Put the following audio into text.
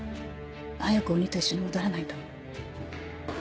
早く鬼と一緒に戻らないと。